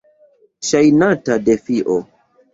Ŝajnata defio.